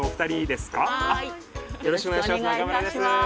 よろしくお願いします。